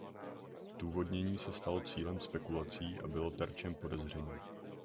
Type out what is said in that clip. Zdůvodnění se stalo cílem spekulací a bylo terčem podezření.